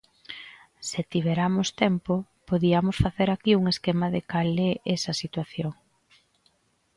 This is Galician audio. Se tiveramos tempo, podiamos facer aquí un esquema de cal é esa situación.